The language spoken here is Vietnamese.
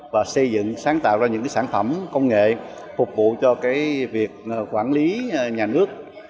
và xây dựng sáng tạo ra những sản phẩm công nghệ phục vụ cho việc quản lý nhà nước